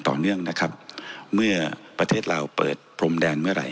ต่อเนื่องนะครับเมื่อประเทศลาวเปิดพรมแดนเมื่อไห